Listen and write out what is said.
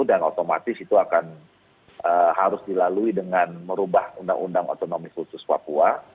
dan otomatis itu akan harus dilalui dengan merubah undang undang otonomi khusus papua